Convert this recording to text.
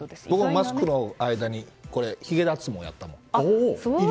僕もマスクの間にひげ脱毛やったの。